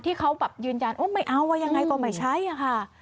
ที่เขายืนยันไม่เอายังไงก็ไม่ใช่ค่ะ